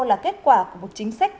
là kết quả của một chính sách